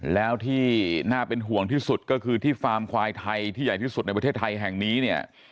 แล้วที่น่าเป็นห่วงที่สุดก็คือที่ฟาร์มควายไทยที่ใหญ่ที่สุดในประเทศไทยแห่งนี้เนี่ย